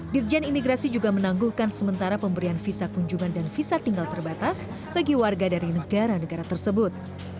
dirjen imigrasi juga menangguhkan sementara pemberian visa kunjungan dan visa tinggal terbatas bagi warga dari negara negara tersebut